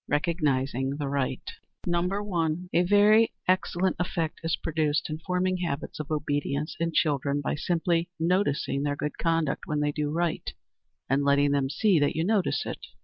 Recognizing the Right. 1. A very excellent effect is produced in forming habits of obedience in children, by simply noticing their good conduct when they do right, and letting them see that you notice it.